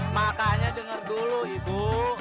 makanya denger dulu ibu